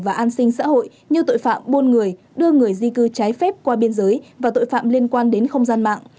và an sinh xã hội như tội phạm buôn người đưa người di cư trái phép qua biên giới và tội phạm liên quan đến không gian mạng